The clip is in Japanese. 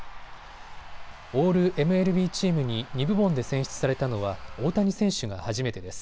オールＭＬＢチームに２部門で選出されたのは大谷選手が初めてです。